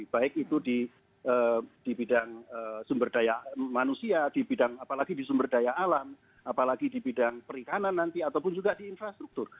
baik itu di bidang sumber daya manusia di bidang apalagi di sumber daya alam apalagi di bidang perikanan nanti ataupun juga di infrastruktur